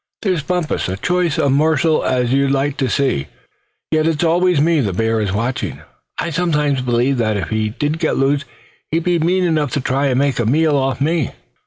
There's Bumpus, as choice a morsel as you'd like to see; yet it's always me the bear is watching. I sometimes believe that if he did get loose, he'd be mean enough to try and make a meal off me."